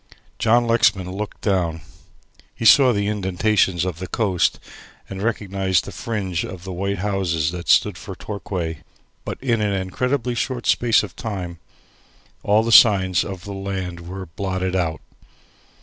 John Lexman looked down. He saw the indentations of the coast and recognized the fringe of white houses that stood for Torquay, but in an incredibly short space of time all signs of the land were blotted out.